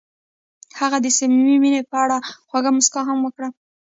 هغې د صمیمي مینه په اړه خوږه موسکا هم وکړه.